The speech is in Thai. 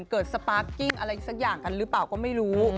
สปาร์คกิ้งอะไรสักอย่างกันหรือเปล่าก็ไม่รู้